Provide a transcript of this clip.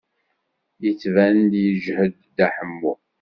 Yettban-d yeǧhed Dda Ḥemmu.